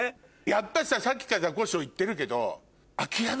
やっぱりささっきからザコシショウ言ってるけど。